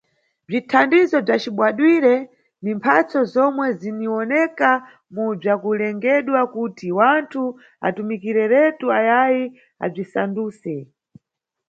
Bzithandizo bzacibadwire ni mphatso zomwe ziniwoneka mu bzakulengedwa kuti wanthu atumikireretu ayayi abzisanduse.